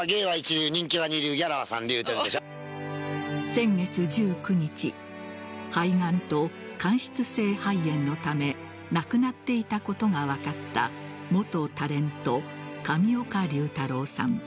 先月１９日肺がんと間質性肺炎のため亡くなっていたことが分かった元タレント・上岡龍太郎さん。